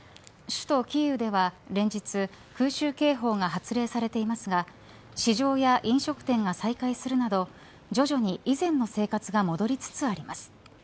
首都キーウでは連日、空襲警報が発令されていますが市場や飲食店が再開するなど徐々に以前の生活が戻りつつあります。